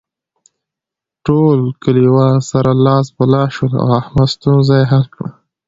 ټول کلیوال سره لاس په لاس شول او د احمد ستونزه یې حل کړله.